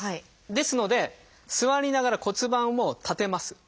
ですので座りながら骨盤を立てます。